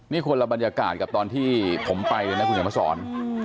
นี่คนละบรรยากาศกับตอนที่ผมไปเลยนะคุณเขียนมาสอน